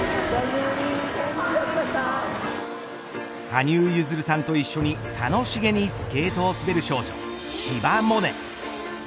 羽生結弦さんと一緒に楽しげにスケートを滑る少女千葉百音。